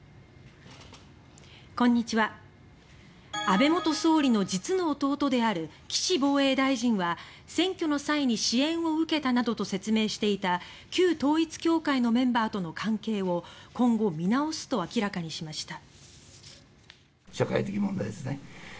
安倍元総理大臣の実の弟である岸防衛大臣は選挙の際に支援を受けたなどと説明していた旧統一教会のメンバーとの関係を今後見直すと明らかにしました。